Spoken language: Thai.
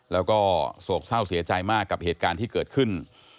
แล้วก็โศกเศร้าเสียใจมากกับเหตุการณ์ที่เกิดขึ้น